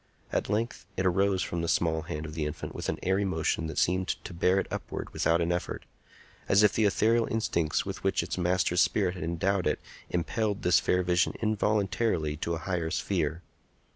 At length it arose from the small hand of the infant with an airy motion that seemed to bear it upward without an effort, as if the ethereal instincts with which its master's spirit had endowed it impelled this fair vision involuntarily to a higher sphere.